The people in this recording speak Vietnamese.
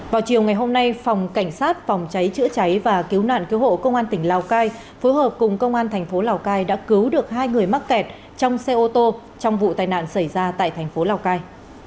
vào chiều ngày hôm nay phòng cảnh sát phòng cháy chữa cháy và cứu nạn cứu hộ công an tỉnh lào cai phối hợp cùng công an thành phố lào cai đã cứu được hai người mắc kẹt trong xe ô tô trong vụ tai nạn xảy ra tại thành phố lào cai